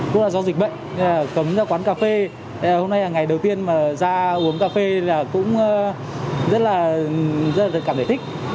cũng là do dịch bệnh cấm ra quán cà phê hôm nay là ngày đầu tiên mà ra uống cà phê là cũng rất là cảm thấy thích